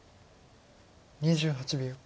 ２８秒。